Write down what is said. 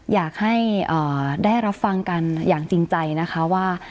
อยากให้ได้รับฟังกันอย่างจริงใจนะคะว่า